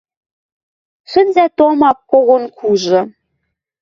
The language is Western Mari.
Шӹнзӓ тома когон кужы